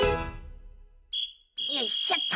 よいしょっと。